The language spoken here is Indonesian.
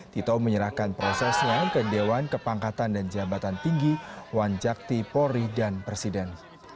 tito menyerahkan prosesnya ke dewan kepangkatan dan jabatan tinggi wanjakti polri dan presiden